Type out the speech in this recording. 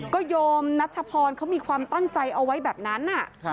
ก็โยมนัชพรเขามีความตั้งใจเอาไว้แบบนั้น